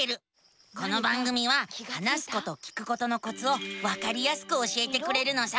この番組は話すこと聞くことのコツをわかりやすく教えてくれるのさ。